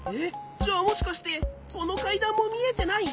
じゃあもしかしてこのかいだんもみえてない？